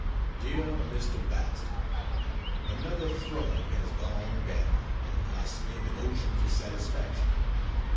DEAR MR. BAXTER, Another throne has gone down, and I swim in oceans of satisfaction.